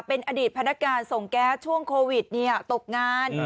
เป็นอดีตพนักการส่งแก๊สช่วงโควิดตกงาน